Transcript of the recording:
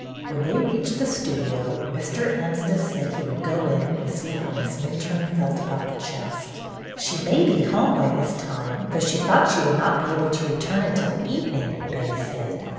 When they reached the studio Mr. Anstice said he would go in to see how Miss Minturne felt about the chest. She may be home by this time, though she 294 BETTY BAIRD'S VENTURES thought she would not be able to return until evening," Betty said.